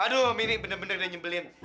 aduh mini benar benar udah nyebelin